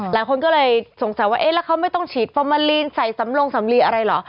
หลายคนก็เลยสงสัยว่าเอ๊ะแล้วเขาไม่ต้องฉีดฟอร์มาลีนใส่สำลงสำลีอะไรเหรอ